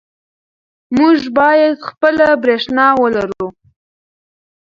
موږ باید خپله برښنا ولرو.